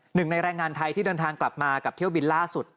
หนึ่งในแรงงานไทยที่เดินทางกลับมากับเที่ยวบินล่าสุด